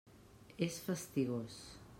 És fastigós.